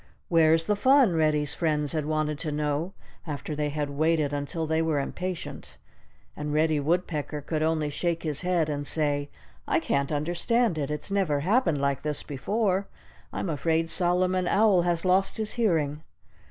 "Where's the fun?" Reddy's friends had wanted to know, after they had waited until they were impatient. And Reddy Woodpecker could only shake his head and say: "I can't understand it! It's never happened like this before. I'm afraid Solomon Owl has lost his hearing."